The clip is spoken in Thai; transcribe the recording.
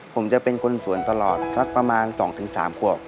ผมจะเป็นคนสวนตลอดสักประมาณ๒๓ขวบ